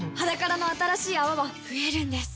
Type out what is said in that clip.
「ｈａｄａｋａｒａ」の新しい泡は増えるんです